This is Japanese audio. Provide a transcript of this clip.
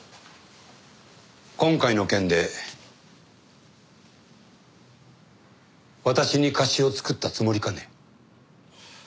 今回の件で私に貸しを作ったつもりかね？